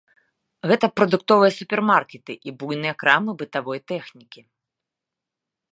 Гэта прадуктовыя супермаркеты і буйныя крамы бытавой тэхнікі.